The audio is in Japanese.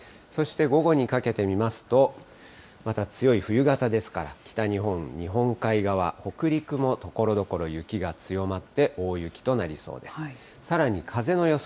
そして午後にかけて見ますと、また強い冬型ですから、北日本、日本海側、北陸もところどころ雪が強まって、大雪となりそうです。